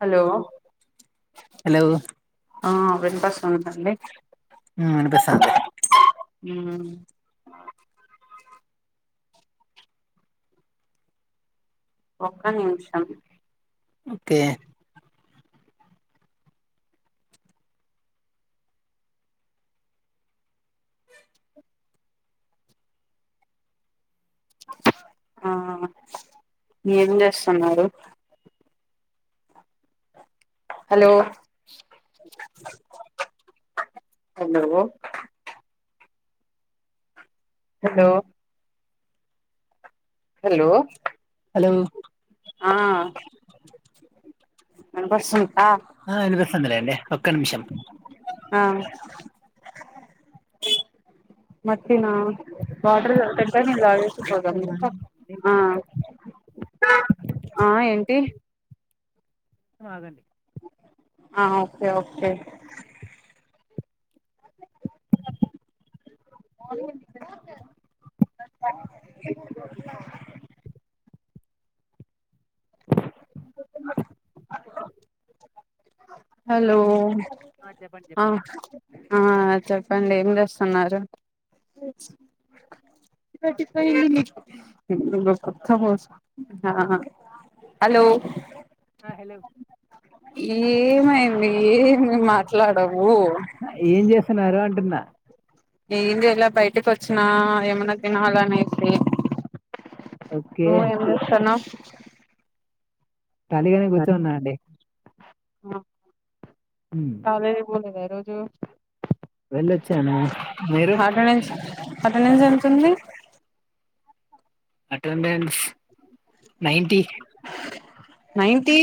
Hello hello ఆ వినపస్తుందండి మ్మ్ వినిపిస్తాంది మ్మ్ ఒక్క నిమిషం ఓకే ఆ ఏం చేస్తున్నారు. హలో ఎందుకు హలో హలో హలో ఆ వినపిస్తుంతా ఆ వినిపిస్తాద్ లేండి ఒక్క నిమిషం ఆ నత్ అంతేనా వాటర్ గాదు టెంకాయి నీళ్లు తాగేసి పోదాం ఆ ఆ ఏంటి అగండి ఆ ఓకే ఓకే హలో ఆ, చెప్పండి హా హా చెప్పండి చెప్ చెప్పండి ఏం చేస్తున్నారు [unintelligible] ఆ హలో ఏమైంది ఏమి మాట్లాడవు తిన్న ఏం చేయాలా బయటకి వచ్చినా ఏమన్నా తినాలనేసి ఓకే నువ్వు ఏం చేస్తున్నావ్ ఖాళీగానే కూర్చున్నా అండి హ్మ్ కాలేజీ పోలేదా ఈ రోజు వెళ్ళొచ్చాను మీరు ఎలా జరుగుతుంది attendance ninety ninety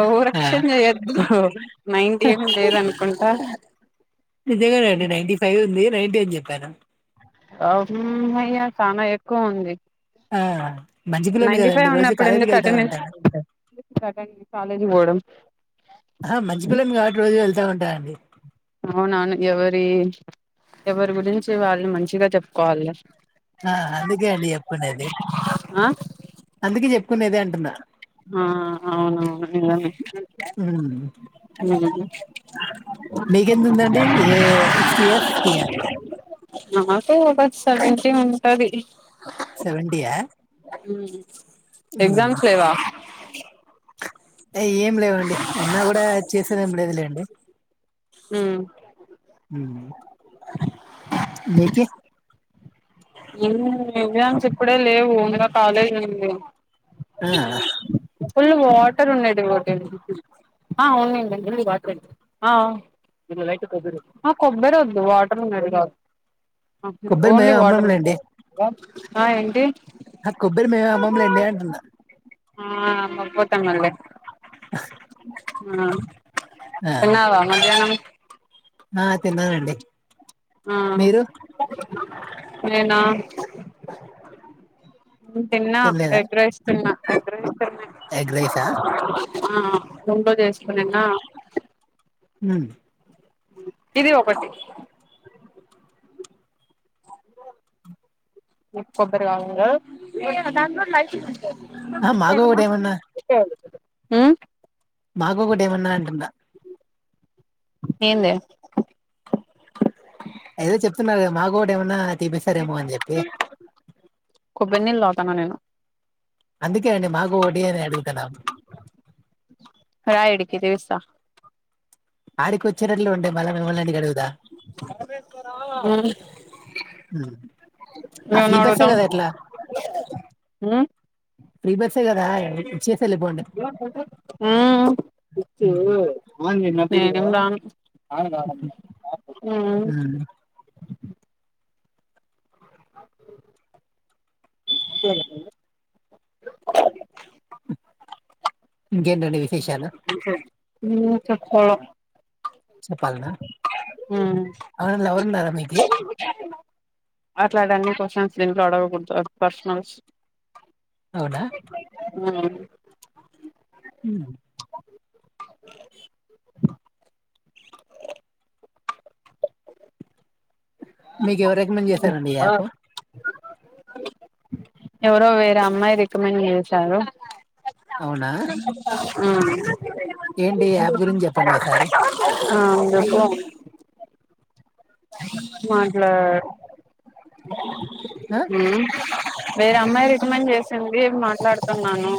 over action చేయొద్దు నైంటి ఏం లేదు అనుకుంటా నైంటి అని చెప్పాను అ హ్మ్ అయ్యా చానా ఎక్కువ ఉంది ఆ మంచి పిల్లని నైంటి కదండి ఫైవ్ రోజు ఉన్నప్పుడు కాలేజీకి వెళ్తా ఎందుకంట ఉంటాను ఆ హ మంచి పిల్లోడిని కాబట్టి రోజు వె ళ్తా ఉంట అండి అవునవును ఎవరి ఎవరి గురించి వాళ్ళు మంచిగా చెప్పుకోవాలి ఆ అందుకే అండి చెప్పుకునేది ఆ అందుకే చెప్ప కునేది అంటున్నా ఆ అవునవును హ్మ్ మీకెంత ఉందండి ఏ సిక్స్టీయా ఫిఫ్టీయా [inaudible] నాకు ఒక సెవెంటి ఉంటది సెవెంటీయా ఉ హ్మ్ ఎగ్జామ్స్ లేవా ప్చ్ ఏం లేవండి ఉన్నా కూడా చేసేదేం లేదులేండి ఉమ్ ఉ మీకీ మ్ ఎగ్జామ్స్ ఇప్పుడే లేవు ఇంగా కాలేజీ ఉంది ఆ ఫుల్ వాటర్ ఉండేది ఒకటి ఆ ఉన్నది అ అ అ కొబ్బరి వద్దు వాటర్ ఉండేది కా కొబ్బరి ఓన్లీ మేమే వాటర్ ఆ ఏంటి ఆ కొబ్బరి మేము ఏం అమ్మమ్ లేండి అంటున్నా ఆ అమ్మకపోతమే లే ఆ ఆ తిన్నావా మధ్యాహ్నం ఆ తిన్నానండి ఆ మీరు నేనా హ్మ్ తిన్నా తినలేదా ఎగ్ రైస్ తిన్న ఎగ్ రైస్ తిన్నా ఎగ్ రైస్ ఆ ఆ ఆ [unintelligible] చేసుకొనినా హ్మ్ ఇది ఒకటి ఇప్ కొబ్బరి కావాలండ్రు ఆ మాకు ఒకటి ఏమన్నా మ్మ్ మాకు ఒకటి ఏమన్నా అంటున్న ఏంది ఏదో చెప్తున్నారుగా మాకోటి ఏమన్నా తీపిస్తారేమో అని చెప్పి కొబ్బరినీళ్లు తాప్ తననేను అందుకే అండి మాకు ఒకటి అని అడుగుతున్నాం రా ఈడికి తీస్తా ఆడికి వచ్చినట్లు ఉండే మళ్ల హ్మ్ మ్మ్ ఆ ఫ్రీ బస్సే అడుగుతావ్ కదా ఎట్లా ఉమ్ ఫ్రీ బస్సే కదా ఇచ్చే హ్మ్ ఉమ్. నేనేం రాను హ్మ్ ఉమ్. చేలేకుండా ఇంకేంటండి విశేషాలు హ్మ్ చెప్పాలా చెప్పాల్నా హ్మ్ ఉన్నారా మీకి అట్లాటి అన్నీ కొశ్చన్స్ దీంట్లో అడగకూడదు అవి పర్సనల్స్ అవునా ఆ మ్మ్ మీకు ఎవరు రికమెండ్ చేస్ సరండి యాపు ఎవరో వేరే అమ్మాయి రికమెండ్ చేసారు అవునా [unintelligible] ఏంటి ఈ యాప్ గురించి చెప్పండి ఒకసారి మ్ అందుకు మాట్ల ఆ హు వేరే అమ్మాయి రికమెండ్ చేసింది మాట్లాడుతున్నాను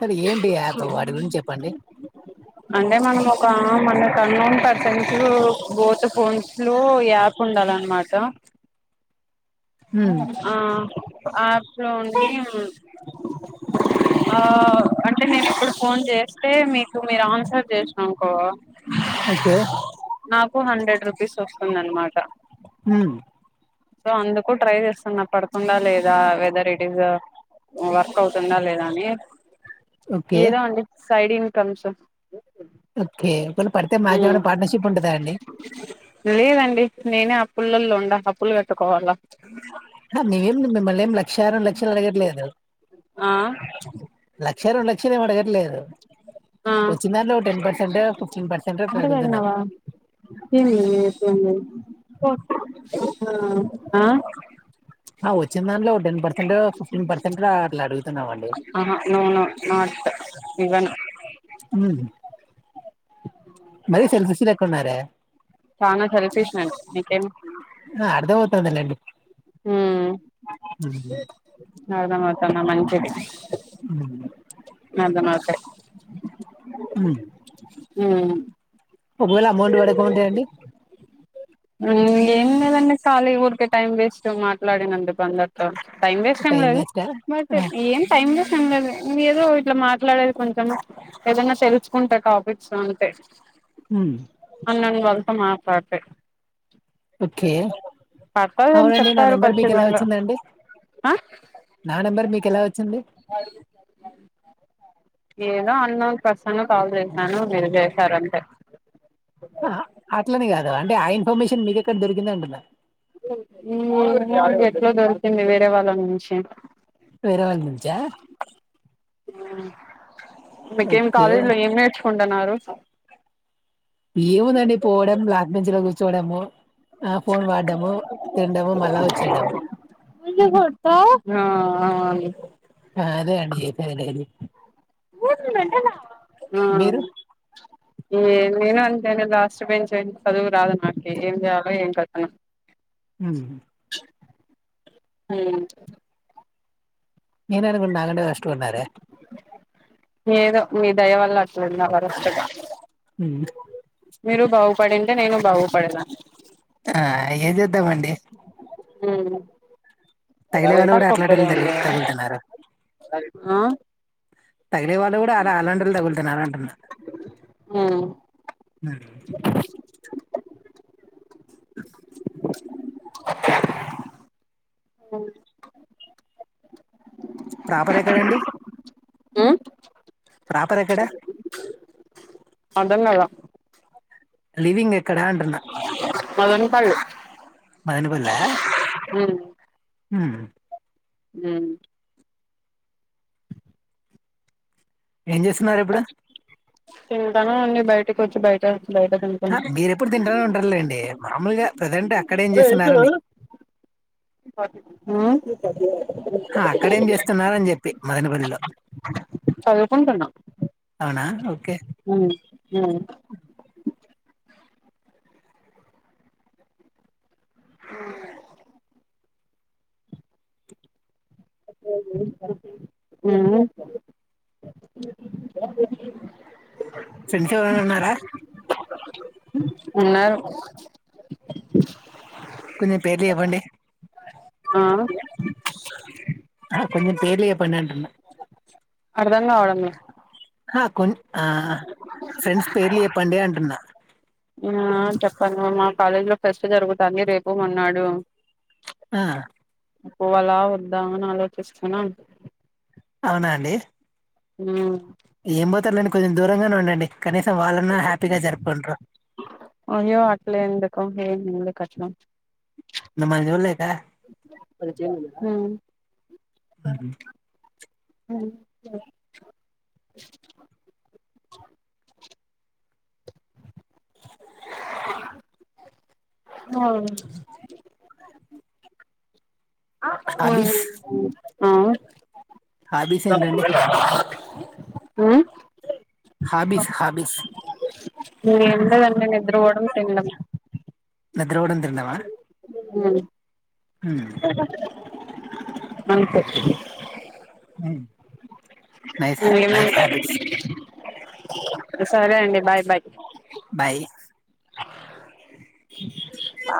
కాదు ఏం టి యాప్ వాటి గురించి చెప్పండి అంటే మనం ఒక మనక్ అన్నోన్ పర్సన్స్ బోత్ ఫోన్స్ లో యాప్ ఉండాలన్నమాట ఉమ్. ఆ యాప్ లో ఉండి ఆ అంటే నిను ఇప్పుడు ఫోన్ చేస్తే మీకు మీరు ఆన్సర్ చేసిర్రనుకో ఓకే నాకు హండ్రెడ్ రూపీస్ వస్తుంది అన్నమాట హుమ్ సో అందుకు ట్రై చేస్తున్న పడుతుందా లేదా వెదర్ ఇట్ ఇస్ వర్క్ అవుతుందా లేదా అని ఓకే ఏదో అండి సైడ్ ఇన్కమ్స్ ఓకే ఒకవేల పడితే ఉమ్ మాకేమైనా పార్ట్నర్షిప్ ఉంటందా అండి పుల్లల్లో ఉండా అప్పులు కట్ ట్టుకోవాల హ మైం మిమ్మల్నేం లక్ లక్షా రెండు లక్షలు అడగట్లేదు ఆ లక్షా రెండు లక్షలు ఏమి అడగట్లేదు ఆ వచ్చిన దాంట్లో ఒక టెన్ పర్సెంట్ ఫిఫ్టీన్ పర్సెంట్ అక్కడ అడుగుతున్నాం పెట్నావా ఏంది ఆ ఆ ఆ వచ్చిన దాంట్లో టెన్ పర్సెంట్ ఫిఫ్టీన్ పర్సెంట్ అట్లా అడుగుతున్నామండి ఆహా నో నో నాట్ ఇవ్వను హుమ్ మరి సెల్ఫిష్ లేక్కున్నారే చనా సెల్ఫిష్ నిను నీకేం టది లెండి హు అర్ధమౌతందా మంచిది హు అర్ధమౌతే హు హు ఒకవేళ అమౌంట్ పడకుంటే అండి ఏదన్నా కాలి ఊరికే టైం వేస్ట్ మాట్లాడినందు అందరితో టైం వేస్ట్ ఏం లేదు బట్ ఏం టైమ్ వేస్ ఏదో ఇట్లా మాట్లాడేది కొంచెం ఏధంగా తెలుసుకుంటే టాపిక్స్ అంటే హు మన వాళ్ళ తో మాట్లాడితే ఓకే పర్పస్ అవునండి నా చెప్పారు నెంబర్ మీకు ఎలా ఖచ్చితంగా వచ్చిందండి నా నెంబర్ మీకు ఎలా వచ్చింది ఏ ఇంకా అన్న ప్రసన్న కాల్ చేశాను మీరు చేశారంటే అట్లనే కాదురా అంటే ఆ ఇన్ఫర్మేషన్ మీద ఎక్కడ దొరికింది అంటున్నా నాకు ఎట్లో దొరికింది వేరే వాళ్ళ నుంచి వేరే వాళ్ళ నుంచా ఆ మీకేం ఓకే కాలేజ్ లో ఎమ్ నేర్చు కొంటున్నారు ఏముందండి పోవడం లాస్ట్ బెంచ్ లో కూర్చోవడం ఆ ఫోన్ వాడడము తిండమ మళ్ళా వచ్చేయడం ఆ అదేండి జెత్తనిది ఆ మీరు నేను ఆన్ నే లాస్ట్ బెంచ్ చదువు రాదు నాకి ఏం చేయాలో ఏం కథనో ఉహు హు నేనే అనుకుంటే నా కన్నా వరస్ట్ గా ఉన్నారే ఏదో మీ దయ వల్ల అట్లున్నా వరస్ట్ గా హ్మ్. మీరు బాగుపడింది తే నేను బాగపాడనా ఆ ఎమ్ చేద్దామండి హ్మ్ తగిలే వాళ్ళు అంతా కూడా అట్లాంటి కొబ్బరి వాళ్ళురు ఉండే తగులుతున్నారు ఆ తగిలే వాళ్ళు కూడా అలా అలాంటి వాళ్ళు తగులుతున్నారు అంటున్నారు ఉమ్ హు [inaudible] [inaudible] ప్రాపర్ ఎక్కడండి ప్రపర్ ఎక్కడ [unintelligible] లివింగ్ ఎ ఎక్కడ అంటున్న మదన్ పళ్ళు మదనపల్లె హు హు ఏం చేస్తున్నారు ఇప్పుడు తింటానా అండి బయటకు వచ్చి బయట బయట హా తింటున్నా మీర ఎప్పుడు తింటానే ఉంటారులేండి మాములుగా ప్రజెంట్ అక్కడేం ఆ చేస్తున్నారని ఆ! అక్కడేం చేస్తున్నారు అని చెప్పి మదనపల్లిలో చదువుకొంటున్నా. అవునా ఓ ఉహు మ్మ్ ఫ్రెండ్స్ ఎవరన్నా ఉన్నారా ఉన్నారు కొంచెం పేర్లు చెప్పండి ఆ ఆ కొంచెం పేర్లు చెప్పండి అంటున్నా అర్దంగావడం లే క కొన్ని ఆ ఫ్రెండ్స్ పేర్లు చెప్పండి అంటున్నా ఆ చెప్పండి మా కాలేజ లో ఫెస్ట్ జరుగుతంది రేపు మన్నాడు ఆ పోవాలా వద్దా అని ఆలోచిస్తున్నాను అవునాండి హ్మ్ ఏం బోతారులేండి కొంచెం దూరంగానే ఉండండి కనీసం వాళ్ళనా హ్యాపీగా జరుపుకుంట్రు కచ్మ హ్మ్ మ్మ్. వున్ లే అవును ఆహు హాబీస్ ఆ హాబీస్ ఏంటండి ఆ హాబీస్ హాబీస్ ఏం లేదండి నిద్రపోవడం తినడం నిద్రవోడం తినడమా మ్మ్. సూద్దాం అంతే మ్ ఇంగేముంటాయ్ సరే అండి బాయ్ బాయ్ బాయ్ ఆ